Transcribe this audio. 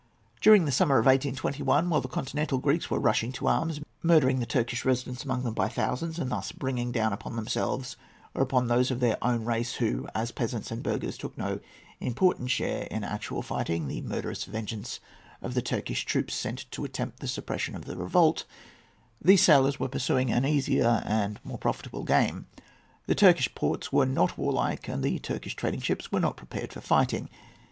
During the summer of 1821, while the continental Greeks were rushing to arms, murdering the Turkish residents among them by thousands, and thus bringing down upon themselves, or upon those of their own race who, as peasants and burghers, took no important share in actual fighting, the murderous vengeance of the Turkish troops sent to attempt the suppression of the revolt, these sailors were pursuing an easier and more profitable game. The Turkish ports were not warlike, and the Turkish trading ships were not prepared for fighting.